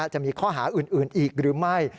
จะมีข้อหาอื่นอีกหรือไม่